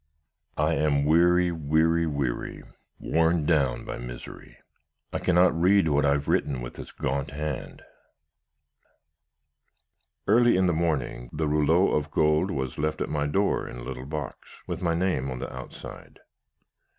"I am weary, weary, weary worn down by misery. I cannot read what I have written with this gaunt hand. "Early in the morning, the rouleau of gold was left at my door in a little box, with my name on the outside.